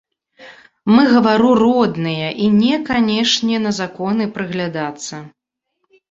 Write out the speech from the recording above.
Мы, гавару, родныя, і не канешне на законы прыглядацца.